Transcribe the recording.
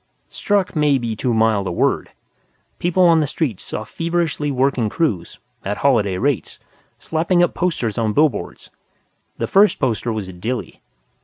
Struck may be too mild a word. People on the streets saw feverishly working crews (at holiday rates!) slapping up posters on billboards. The first poster was a dilly.